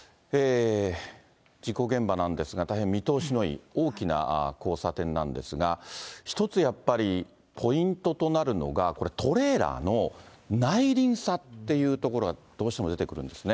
事故現場なんですが、大変見通しのいい大きな交差点なんですが、一つやっぱりポイントとなるのが、これ、トレーラーの内輪差っていうところが、どうしても出てくるんですね。